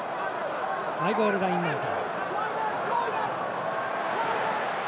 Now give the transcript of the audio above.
マイボールラインアウト。